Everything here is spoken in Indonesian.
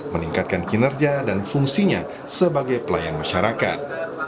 meningkatkan kinerja dan fungsinya sebagai pelayan masyarakat